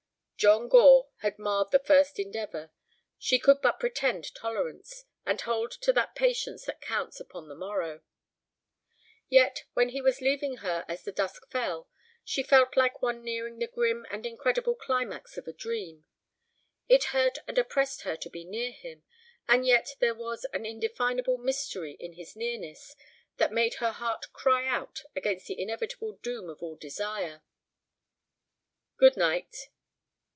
John Gore had marred the first endeavor. She could but pretend tolerance, and hold to that patience that counts upon the morrow. Yet, when he was leaving her as the dusk fell, she felt like one nearing the grim and incredible climax of a dream. It hurt and oppressed her to be near him, and yet there was an indefinable mystery in his nearness that made her heart cry out against the inevitable doom of all desire. "Good night."